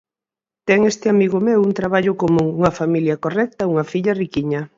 Ten este amigo meu un traballo común, unha familia correcta, unha filla riquiña.